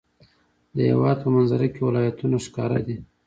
د هېواد په منظره کې ولایتونه ښکاره دي.